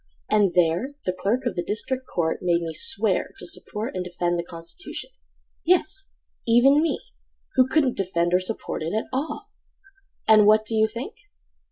And there the clerk of the district Court Made me swear to support and defend The constitution—yes, even me— Who couldn't defend or support it at all! And what do you think?